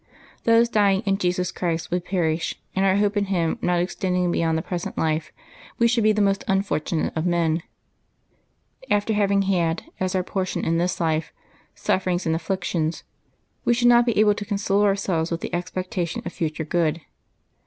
Those dying in Jesus Christ would perish, and, our hope in Him not extending beyond the present life, we should be the most unfortunate of men, inasmuch as, after having had, as our portion in this life, suiferings and afflictions, we should not be able to console ourselves with the expectation of future good.